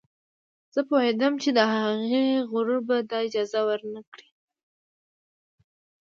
زه پوهېدم چې د هغې غرور به دا اجازه ور نه کړي